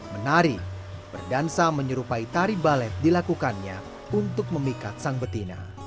menari berdansa menyerupai tari balet dilakukannya untuk memikat sang betina